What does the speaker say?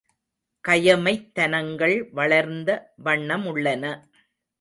கயமைத்தனங்கள் வளர்ந்த வண்ணமுள்ளன.